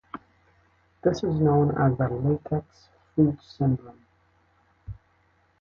This is known as the "latex-fruit syndrome".